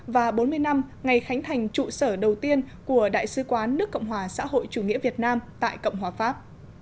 và bốn mươi năm ngày khánh thành trụ sở đầu tiên của đại sứ quán nước cộng hòa xã hội chủ nghĩa việt nam tại cộng hòa pháp